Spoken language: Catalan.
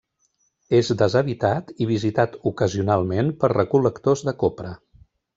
És deshabitat i visitat ocasionalment per recol·lectors de copra.